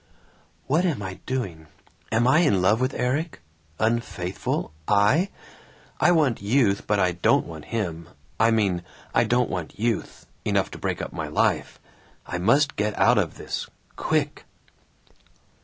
"What am I doing? Am I in love with Erik? Unfaithful? I? I want youth but I don't want him I mean, I don't want youth enough to break up my life. I must get out of this. Quick."